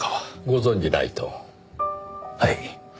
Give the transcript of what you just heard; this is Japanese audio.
ご存じないと？はい。